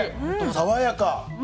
爽やか！